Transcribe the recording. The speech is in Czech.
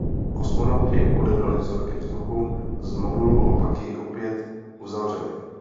Kosmonauti odebrali vzorky vzduchu z modulu a pak jej opět uzavřeli.